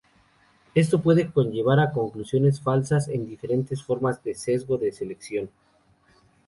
Esto puede conllevar a conclusiones falsas en diferentes formas de sesgo de selección.